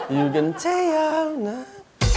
อยู่กันเท่าไหร่